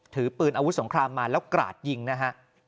ถือปืนอาวุธสงครามมาแล้วกราดยิงนะฮะ